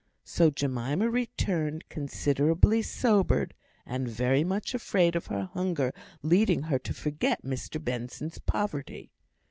So Jemima returned considerably sobered, and very much afraid of her hunger leading her to forget Mr Benson's poverty.